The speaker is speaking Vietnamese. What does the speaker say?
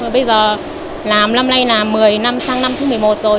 bây giờ làm năm nay là một mươi năm sang năm thứ một mươi một rồi